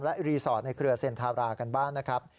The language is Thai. และรีสอร์ทในเครือเซ็นทารากันบ้างนะครับ